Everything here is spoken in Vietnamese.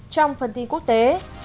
trong phần tin quốc tế